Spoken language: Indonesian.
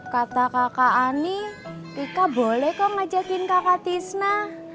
kata kakak ani ika boleh kok ngajakin kakak tisna